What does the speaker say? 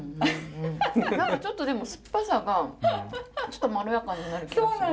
何かちょっとでも酸っぱさがちょっとまろやかになる気がする。